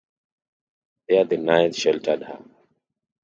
There the knights sheltered her.